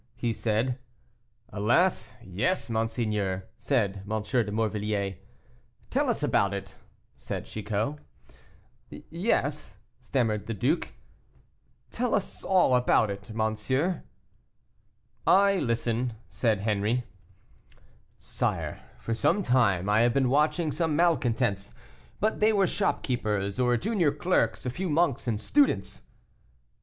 he said. "Alas, yes, monseigneur," said M. de Morvilliers. "Tell us all about it," said Chicot. "Yes," stammered the duke, "tell us all about it, monsieur." "I listen," said Henri. "Sire, for some time I have been watching some malcontents, but they were shopkeepers, or junior clerks, a few monks and students."